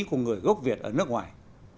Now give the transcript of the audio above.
của người gốc việt ở nước ngoài